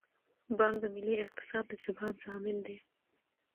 بانک د ملي اقتصاد د ثبات ضامن دی.